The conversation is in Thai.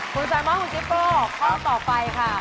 คุณสามารถคุณจิ๊บโป้ข้อต่อไปค่ะ